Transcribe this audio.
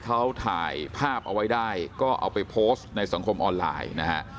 เขาถ่ายภาพเอาไว้ได้ก็เอาไปโพสต์ในสังคมออนไลน์นะฮะ